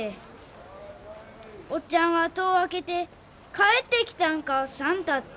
おっちゃんは戸を開けて「帰ってきたんか算太」って。